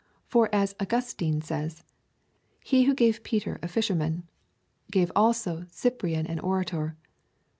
For as Augustine says, " He who gave Peter a fisherman, gave also Cyprian an orator."'